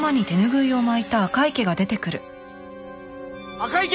赤池！